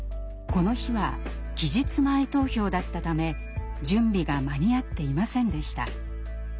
この日は期日前投票だったため準備が間に合っていませんでした。